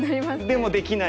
でもできない。